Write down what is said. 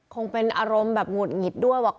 คงเป็นอารมณ์ว่างหวูดงิดด้วยว่า